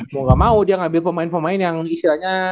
mau gak mau dia ngambil pemain pemain yang istilahnya